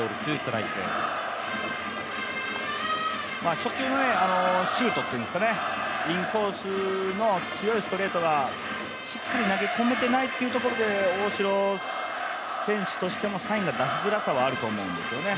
初球のシュートというんですかね、インコースの強いストレートがしっかり投げ込めていないというところで大城選手としてもサインの出しづらさはあると思うんですよね。